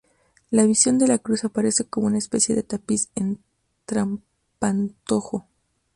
La "Visión de la cruz" aparece como una especie de tapiz en trampantojo.